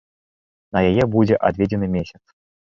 На яе будзе адведзены месяц.